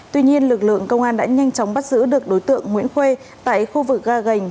tuy nhiên lực lượng công an đã nhanh chóng bắt giữ được đối tượng nguyễn khuê tại khu vực ga gành